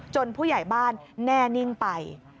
ผู้ใหญ่บ้านแน่นิ่งไป